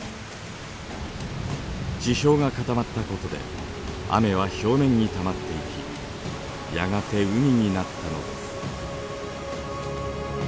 地表が固まったことで雨は表面にたまっていきやがて海になったのです。